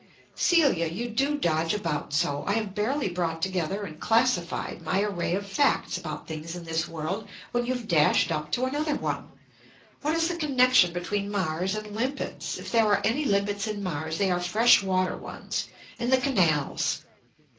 "Celia, you do dodge about so. I have barely brought together and classified my array of facts about things in this world, when you've dashed up to another one. What is the connexion between Mars and limpets? If there are any limpets in Mars they are freshwater ones. In the canals."